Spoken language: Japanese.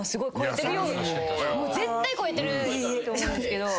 絶対肥えてると思うんですけど。